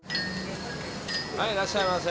いらっしゃいませ。